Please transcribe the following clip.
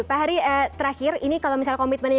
pak hari terakhir ini kalau misalnya komitmennya